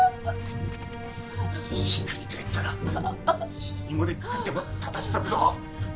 ひっくり返ったらひもでくくっても立たしたるぞ。